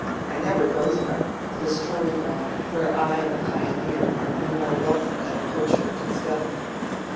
I never go there. It is Tory ground, where I and the 'Pioneer' are no more welcome than a poacher and his gun."